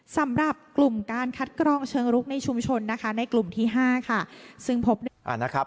สำหรับกลุ่มการคัดกรองเชิงรุกในชุมชนนะคะในกลุ่มที่๕ค่ะ